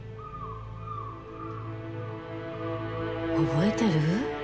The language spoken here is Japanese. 「覚えてる？」